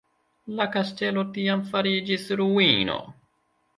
La kastelo tiam fariĝis ruino.